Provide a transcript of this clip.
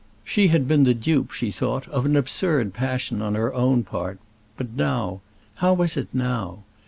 She had been the dupe, she had thought, of an absurd passion on her own part; but now how was it now?